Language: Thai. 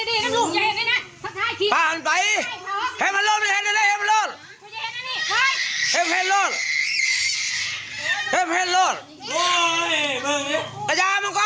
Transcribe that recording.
ตามไปไม่เห็นอะไรได้ดู